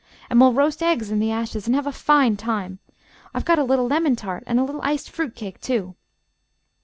And we'll roast eggs in the ashes, and have a fine time. I've got a lemon tart and a little iced fruit cake, too."